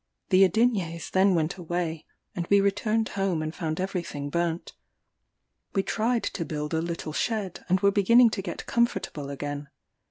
The Adinyés then went away, and we returned home and found every thing burnt. We tried to build a little shed, and were beginning to get comfortable again.